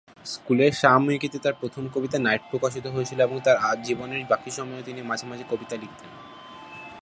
স্কুলের সাময়িকীতে তার প্রথম কবিতা "নাইট" প্রকাশিত হয়েছিল এবং তার জীবনের বাকি সময়েও তিনি মাঝে মাঝে কবিতা লিখতেন।